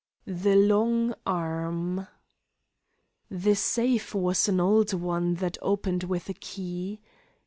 THE LONG ARM The safe was an old one that opened with a key.